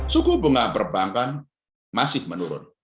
suku bunga perbankan masih menurun